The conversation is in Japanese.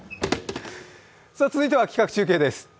続いては企画中継です。